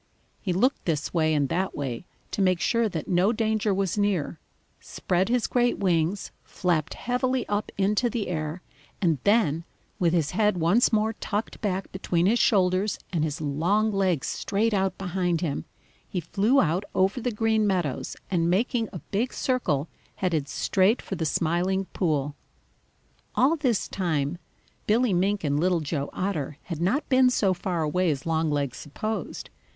He looked this way and that way to make sure that no danger was near, spread his great wings, flapped heavily up into the air, and then, with his head once more tucked back between his shoulders and his long legs straight out behind him, he flew out over the Green Meadows, and making a big circle, headed straight for the Smiling Pool. All this time Billy Mink and Little Joe Otter had not been so far away as Longlegs supposed.